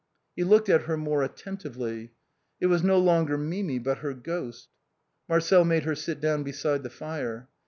He looked at her more attentively. It was no longer Mimi, but her ghost. Marcel made her sit down beside the fire.